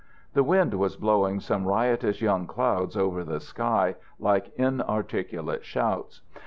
The wind was blowing some riotous young clouds over the sky like inarticulate shouts.